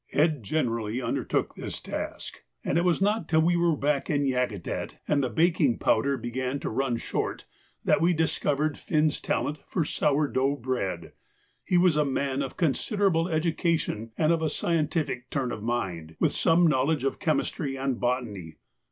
Ed. generally undertook this task, and it was not till we were back in Yakutat, and the baking powder began to run short, that we discovered Finn's talent for 'sour dough' bread. He was a man of considerable education and of a scientific turn of mind, with some knowledge of chemistry and botany.